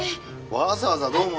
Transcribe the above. わざわざどうも。